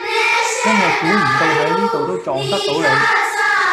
真係估唔到喺呢度都撞得到你